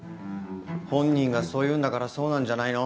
本人がそう言うんだからそうなんじゃないの？